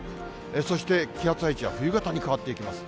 そして気圧配置は冬型に変わっていきます。